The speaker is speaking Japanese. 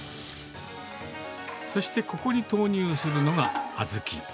そして、ここに投入するのが小豆。